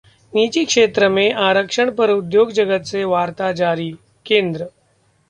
निजी क्षेत्र में आरक्षण पर उद्योग जगत से वार्ता जारी: केंद्र